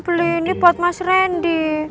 beli ini buat mas randy